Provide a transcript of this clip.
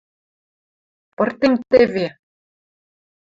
– Пыртем теве!